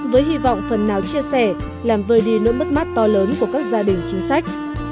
với hy vọng phần nào chia sẻ làm vơi đi nỗi mất mát to lớn của các gia đình chính sách